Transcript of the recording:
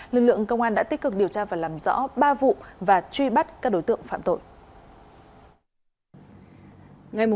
lực lượng công an đã tích cực điều tra và làm rõ ba vụ và truy bắt các đối tượng phạm tội